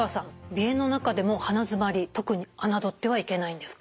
鼻炎の中でも鼻づまり特にあなどってはいけないんですか？